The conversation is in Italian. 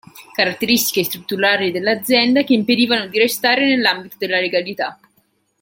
Caratteristiche strutturali dell'azienda che impedivano di restare nell'ambito della legalità.